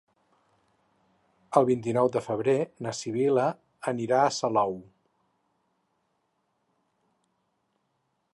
El vint-i-nou de febrer na Sibil·la anirà a Salou.